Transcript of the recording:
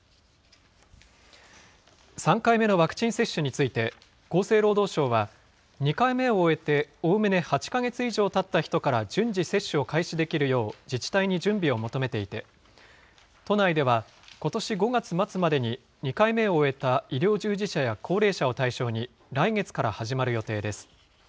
３回目のワクチン接種について、厚生労働省は、２回目を終えておおむね８か月以上たった人から、順次、接種を開始できるよう自治体に準備を求めていて、都内ではことし５月末までに、２回目を終えた医療従事者や高齢者を対象に、来月から始まる予定です。